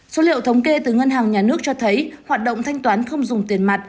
số liệu thống kê từ ngân hàng nhà nước cho thấy hoạt động thanh toán không dùng tiền mặt